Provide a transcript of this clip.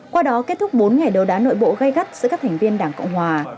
qua đó kết thúc bốn ngày đấu đá nội bộ gây gắt giữa các thành viên đảng cộng hòa